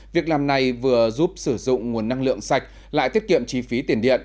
việc làm này vừa giúp sử dụng nguồn năng lượng sạch lại tiết kiệm chi phí tiền điện